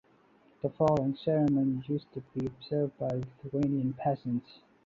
The following ceremonies used to be observed by Lithuanian peasants.